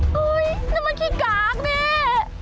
น้ำมันขี้กากนี่